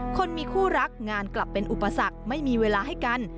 คนมีคู่รักงานกลับเป็นอุปสรรคไม่มีเวลาให้กัน